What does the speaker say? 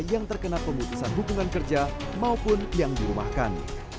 yang terkena pemutusan hubungan kerja maupun yang dirumahkan